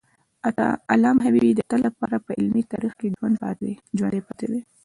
علامه حبیبي د تل لپاره په علمي تاریخ کې ژوندی پاتي دی.